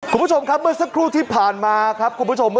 คุณผู้ชมครับเมื่อสักครู่ที่ผ่านมาครับ